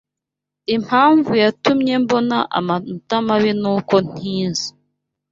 Impamvu yatumye mbona amanota mabi nuko ntize.